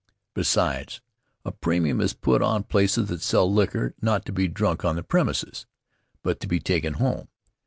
Besides, a premium is put on places that sell liquor not to be drunk on the premises, but to be taken home.